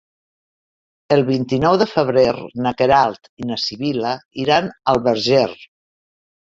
El vint-i-nou de febrer na Queralt i na Sibil·la iran al Verger.